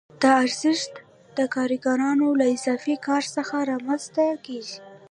دا ارزښت د کارګرانو له اضافي کار څخه رامنځته کېږي